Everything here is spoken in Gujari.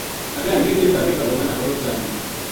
اگے حنیف نے بلادری کا لوکاں نا خبر چا دِتی تھی